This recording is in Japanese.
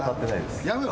やめろ。